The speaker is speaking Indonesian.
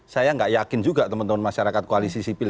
saya nggak yakin juga teman teman masyarakat koalisi sipil